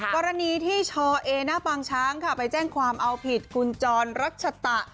กรณีที่ชอเอหน้าปางช้างค่ะไปแจ้งความเอาผิดคุณจรรัชตะ